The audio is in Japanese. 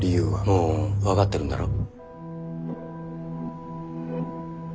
もう分かってるんだろ？